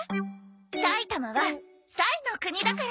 埼玉は彩の国だから。